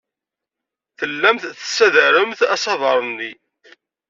Tellamt tessadaremt asaber-nni.